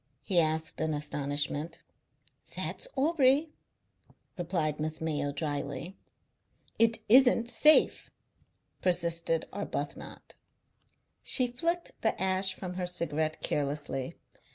he asked in astonishment. "That's Aubrey," replied Miss Mayo drily. "It isn't safe," persisted Arbuthnot. She flicked the ash from her cigarette carelessly.